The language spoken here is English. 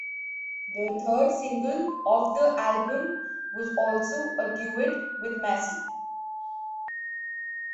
The third single off the album was also a duet with Massey.